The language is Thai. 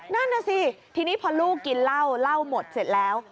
นั่นน่ะสิทีนี้พอลูกกินเหล้าเหล้าหมดเสร็จแล้ว